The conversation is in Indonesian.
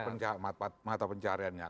mendapatkan mata pencahariannya